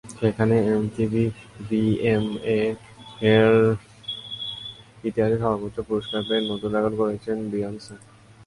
সেখানে এমটিভি ভিএমএর ইতিহাসে সর্বোচ্চ পুরস্কার পেয়ে নতুন রেকর্ড গড়েছেন বিয়োন্সে।